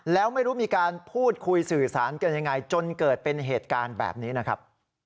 แล้วไม่รู้มีการพูดคุยสื่อสารกันยังไงจนเกิดเป็นเหตุการณ์แบบนี้นะครับ